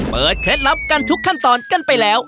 เคล็ดลับกันทุกขั้นตอนกันไปแล้ว